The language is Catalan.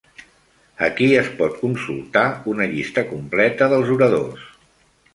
Aquí es pot consultar una llista completa dels oradors.